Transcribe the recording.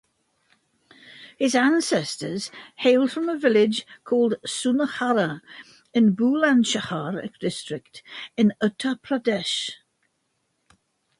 His ancestors hailed from a village called Sunahara in Bulandshahar district in Uttar Pradesh.